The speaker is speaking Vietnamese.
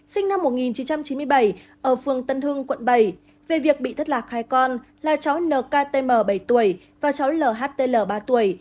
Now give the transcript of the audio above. sinh năm một nghìn chín trăm chín mươi bảy ở phường tân hưng quận bảy về việc bị thất lạc hai con là cháu nktm bảy tuổi và cháu ltl ba tuổi